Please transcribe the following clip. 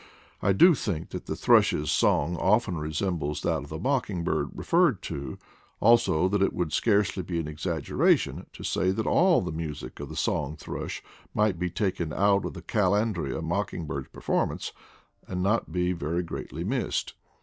I do think that the thrush's song often resembles that of the mocking bird referred to, also that it would scarcely be an exaggeration to say that all the music of the song thrush might be taken out of the Calandria mocking bird's performance and not be very greatly missed.